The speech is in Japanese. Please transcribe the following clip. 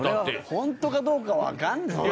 本当かどうかわかんない。